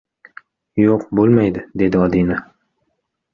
— Yo‘q, bo‘lmaydi! — dedi Odina.